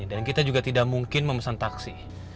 dan kita juga tidak mungkin memesan taksi